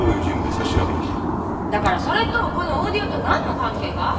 だからそれとこのオーディオと何の関係が？